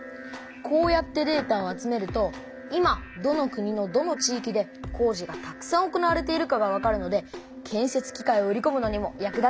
こうやってデータを集めると今どの国のどの地いきで工事がたくさん行われているかがわかるので建せつ機械を売りこむのにも役立つんだそうですよ。